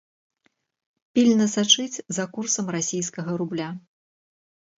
Пільна сачыць за курсам расійскага рубля.